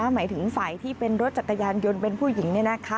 หมายถึงฝ่ายที่เป็นรถจักรยานยนต์เป็นผู้หญิง